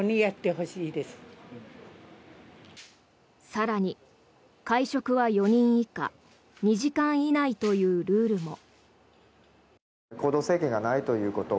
更に、会食は４人以下２時間以内というルールも。